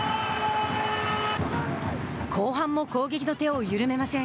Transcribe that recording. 後半も攻撃の手を緩めません。